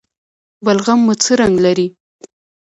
بلغم مو څه رنګ لري؟